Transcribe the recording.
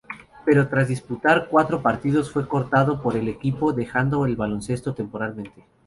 Pero tras disputar cuatro partidos fue cortado por el equipo, dejando el baloncesto temporalmente.